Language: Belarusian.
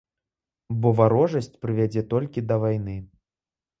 Бо варожасць прывядзе толькі да вайны.